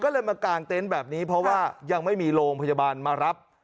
เพราะว่ายังไม่มีโรงพยาบาลมารับ